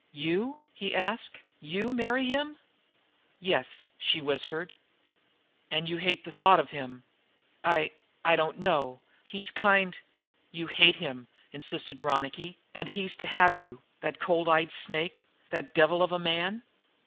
"You?" he asked. "You marry him?" "Yes," she whispered. "And you hate the thought of him!" "I I don't know. He's kind " "You hate him," insisted Ronicky. "And he's to have you, that cold eyed snake, that devil of a man?"